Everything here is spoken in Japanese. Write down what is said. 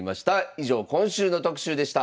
以上今週の特集でした。